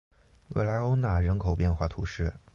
维莱欧讷人口变化图示